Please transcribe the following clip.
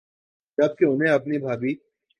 جب کہ انہیں اپنی بھابھی